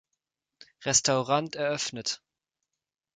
Restaurant eröffnet.